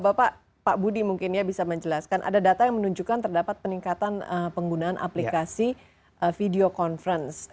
pertama ini bapak budi mungkin bisa menjelaskan ada data yang menunjukkan terdapat peningkatan penggunaan aplikasi video conference